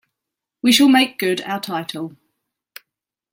We shall make good our title.